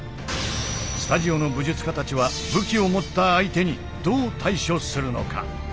スタジオの武術家たちは武器を持った相手にどう対処するのか？